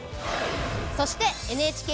そしてＮＨＫＢＳ